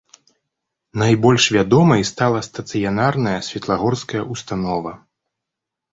Найбольш вядомай стала стацыянарная светлагорская ўстанова.